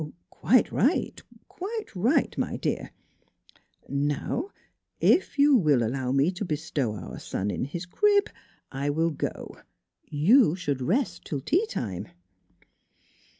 " Quite right quite right, my dear. ... Now NEIGHBORS 103 if you will allow me to bestow our son in his crib, I will go. You should rest till tea time."